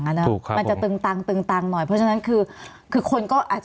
มีความรู้สึกว่ามีความรู้สึกว่ามีความรู้สึกว่า